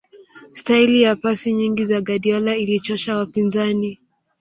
staili ya pasi nyingi za guardiola ilichosha wapinzani